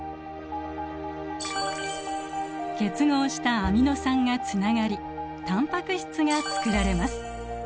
結合したアミノ酸がつながりタンパク質がつくられます。